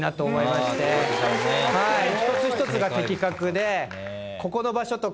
一つ一つが的確で。